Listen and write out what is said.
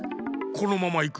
このままいく。